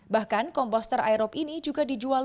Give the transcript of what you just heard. bahkan komposter aerob ini juga dijual